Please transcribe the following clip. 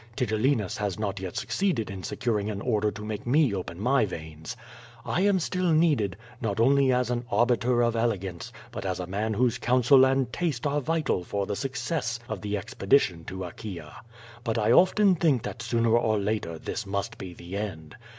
Tigellinus has not yet succeeded in securing an order to make me open my veins. I am still needed, not only as an arbiter of elegance but as a man whose counsel and taste are vital for the success of the expedition to Achaea. But I often think that sooner or later this must be the end.